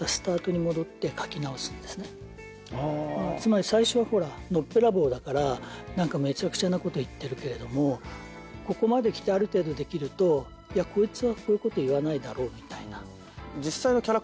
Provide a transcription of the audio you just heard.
つまり最初はほらのっぺらぼうだからめちゃくちゃなこと言ってるけれどもここまできてある程度できるといやこいつはこういうこと言わないだろうみたいな。